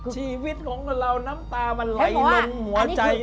ชีวิตของเราน้ำตามันไหลลงหัวใจ